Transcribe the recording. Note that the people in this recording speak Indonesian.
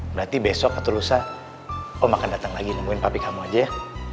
berarti besok atau lusa om akan datang lagi nemuin pabrik kamu aja ya